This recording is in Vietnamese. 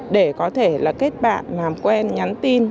để có thể kết bạn làm quen nhắn tin